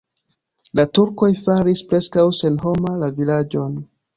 La turkoj faris preskaŭ senhoma la vilaĝon.